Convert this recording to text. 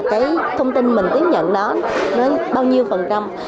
cái thông tin mình tiếp nhận đó nó bao nhiêu phần trăm là đáng tin cậy